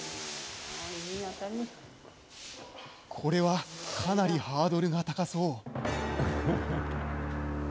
これは、かなりハードルが高そう。